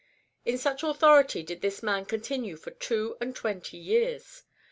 In such authority did this man continue for two and twenty years.